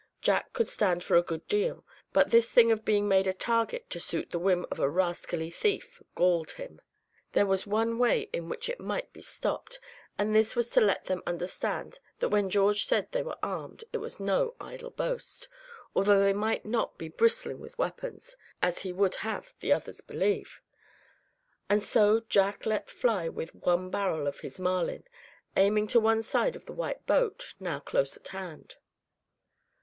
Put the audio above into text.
Jack could stand for a good deal, but this thing of being made a target to suit the whim of a rascally thief galled him. There was one way in which it might be stopped; and this was to let them understand that when George said they were armed it was no idle boast, although they might not be bristling with weapons, as he would have had the others believe. And so Jack let fly with one barrel of his Marlin, aiming to one side of the white boat, now close at hand.